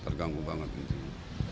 terganggu karena cuacanya